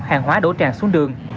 hàng hóa đổ tràn xuống đường